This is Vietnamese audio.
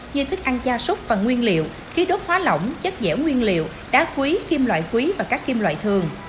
như thức ăn cha súc và nguyên liệu khí đốt hóa lỏng chất dẻo nguyên liệu đá quý kim loại quý và các kim loại thường